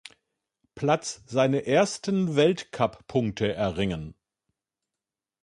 Platz seine ersten Weltcuppunkte erringen.